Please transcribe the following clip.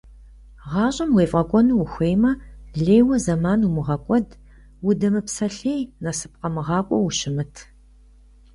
Гъащӏэм уефӏэкӏуэну ухуеймэ, лейуэ зэман умыгъэкӏуэд, удэмыпсэлъей, насып къэмыгъакӏуэу ущымыт.